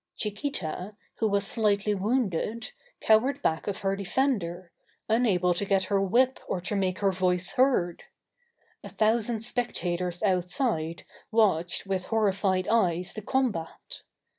Chiquita, who was slightly wounded, cow ered back of her defender, unable to get her whip or to make her voice heard. A thousand spectators outside watched with horrified eyes the combat.